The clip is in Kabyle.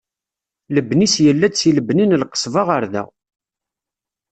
Lebni-s yella-d si lebni n Lqesba ɣer da.